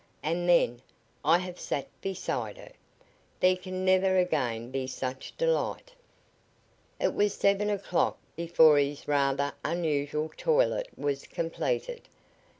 And then: "I have sat beside her! There can never again be such delight!" It was seven o'clock before his rather unusual toilet was completed.